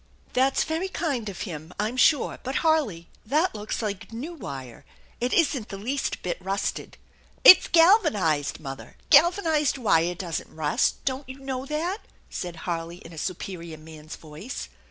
" That's very kind of him, I'm sure. But, Harley, that looks like new wire. It isn't the least bit rusted." " It's galvanized, mother. Galvanized wire doesn't rust, don't you know that ?" said Harley in a superior, man's voice.